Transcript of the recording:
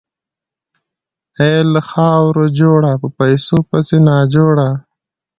اې له خاورو جوړه، په پيسو پسې ناجوړه !